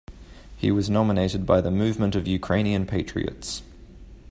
He was nominated by the Movement of Ukrainian Patriots.